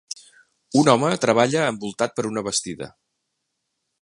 Un home treballa envoltat per una bastida.